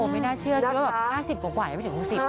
ไม่น่าเชื่อถึงมากกว่า๕๐ไม่ถึง๖๐